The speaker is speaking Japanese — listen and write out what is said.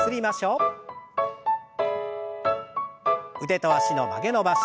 腕と脚の曲げ伸ばし。